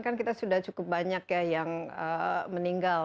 kan kita sudah cukup banyak ya yang meninggal